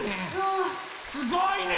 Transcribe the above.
すごいね。